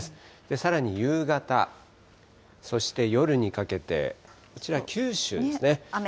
さらに夕方、そして夜にかけて、こちら九州ですね。